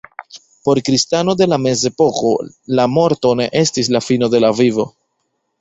Por kristano de la mezepoko la morto ne estis la fino de la vivo.